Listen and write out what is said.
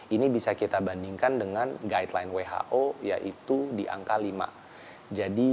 ini bisa kita bandingkan dengan guideline who yaitu di angka lima